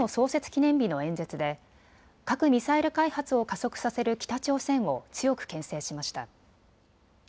記念日の演説で核・ミサイル開発を加速させる北朝鮮を強くけん制しました。